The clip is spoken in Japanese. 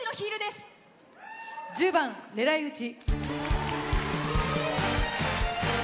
１０番「狙いうち」。